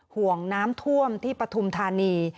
ห่วงน้ำท่วมที่ปฐุมธานี